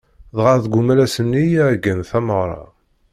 Dɣa deg umalas-nni i iɛeggen tameɣra.